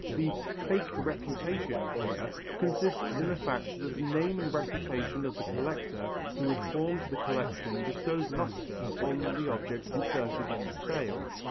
The "faked reputation" here consists in the fact that the name and reputation of the collector who had formed the collection bestows lustre upon the object inserted in the sale.